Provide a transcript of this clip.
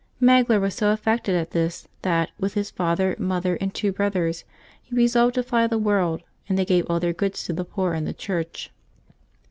Magloire was so affected at this that, with his father, mother, and two brothers, he re solved to fly the world, and they gave all their goods to the poor and the Church.